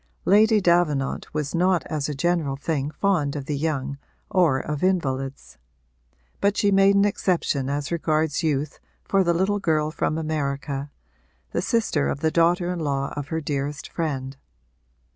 Lady Davenant was not as a general thing fond of the young or of invalids; but she made an exception as regards youth for the little girl from America, the sister of the daughter in law of her dearest friend.